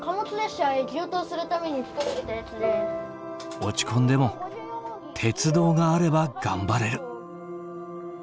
落ち込んでも鉄道があれば頑張れる。